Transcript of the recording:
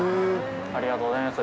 ありがとうございます。